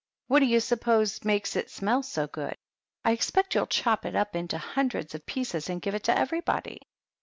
what do you suppose makes it smell so good ? I expect you'll chop it up into hundreds of pieces and give it to everybody."